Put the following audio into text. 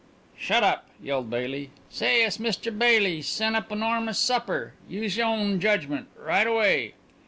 "Shut up!" yelled Baily. "Say, iss Mr. Baily. Sen' up enormous supper. Use y'own judgment. Right away."